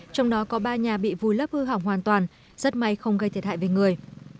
trong đó có ba nhà bị vùi lấp hư hỏng hoàn toàn rất may không gây thiệt hại về người